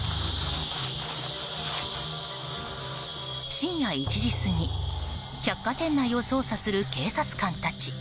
深夜１時過ぎ百貨店内を捜査する警察官たち。